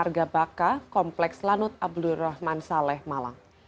warga baka kompleks lanut abdul rahman saleh malang